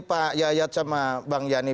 pak yayat sama bang yani